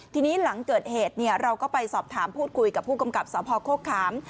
ทีนี้หลังเกิดเหตุเราก็ไปสอบถามพูดคุยกับผู้กำกับสพโฆขาม